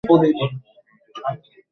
আমি তো কিছুই করি নাই!